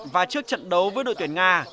và trước trận đấu với đội tuyển nga